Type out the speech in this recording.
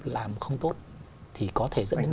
làm không tốt thì có thể dẫn đến